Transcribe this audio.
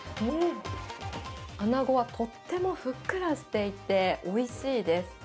あなごはとってもふっくらしていて、おいしいです。